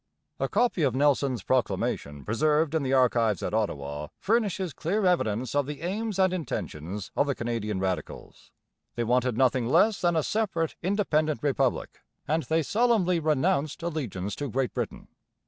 A copy of Nelson's proclamation preserved in the Archives at Ottawa furnishes clear evidence of the aims and intentions of the Canadian radicals: they wanted nothing less than a separate, independent republic, and they solemnly renounced allegiance to Great Britain.